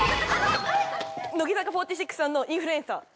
乃木坂４６の「インフルエンサー」